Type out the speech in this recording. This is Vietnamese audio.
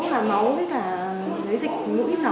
với cả lấy dịch mũi cháu